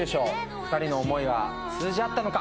２人の思いは通じ合ったのか？